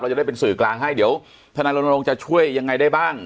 จะได้เป็นสื่อกลางให้เดี๋ยวทนายรณรงค์จะช่วยยังไงได้บ้าง